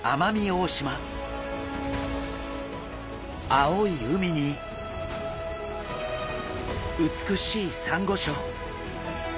青い海に美しいサンゴ礁。